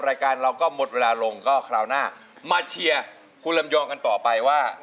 รายการเราก็หมดเวลาลงก็คราวหน้ามาเชียร์คุณลำยองกันต่อไปว่า